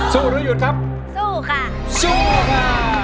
หรือหยุดครับสู้ค่ะสู้ค่ะ